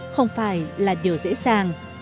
không phải là điều dễ dàng